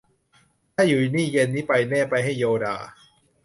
ถ้าอยู่นี่เย็นนี้ไปแน่ ไปให้โยด่า